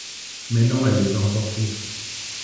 Mais non, elle les a emportés.